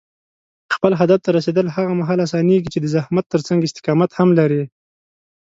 خپل هدف ته رسېدل هغه مهال اسانېږي چې د زحمت ترڅنګ استقامت هم لرې.